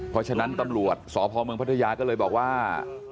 เพราะฉะนั้นตำรวจสพเมืองพัทยาก็เลยบอกว่า